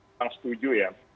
kurang setuju ya